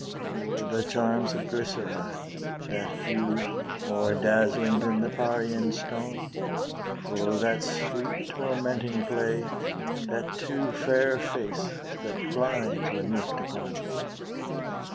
O, the charms of Glycera, That hue, more dazzling than the Parian stone! O, that sweet tormenting play, That too fair face, that blinds when look'd upon!